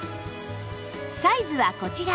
サイズはこちら。